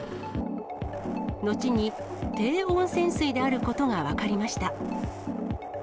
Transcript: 後に低温泉水であることが分かりました。